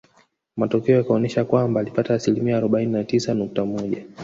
Matokeo yakaonesha kwamba alipata asilimia arobaini na tisa nukta moja